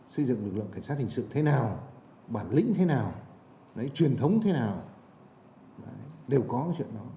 xây dựng lực lượng cảnh sát hình sự thế nào bản lĩnh thế nào đấy truyền thống thế nào đều có cái chuyện đó